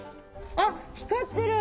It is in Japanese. あっ光ってる！